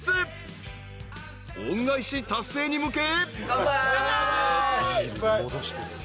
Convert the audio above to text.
［恩返し達成に向け］